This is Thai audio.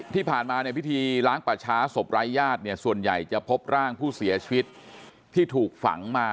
ที่ผ่านมาในพิธีล้างป่าช้าศพไร้ญาติเนี่ยส่วนใหญ่จะพบร่างผู้เสียชีวิตที่ถูกฝังมา